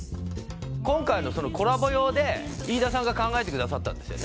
今回のそのコラボ用で飯田さんが考えてくださったんですよね